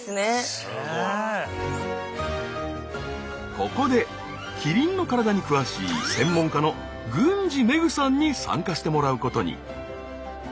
ここでキリンの体に詳しい専門家の郡司芽久さんに参加してもらうことに。